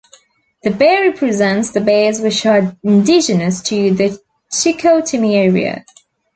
The bear represents the bears which are indigenous to the Chicoutimi area.